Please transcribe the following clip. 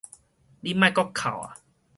你莫閣哭矣！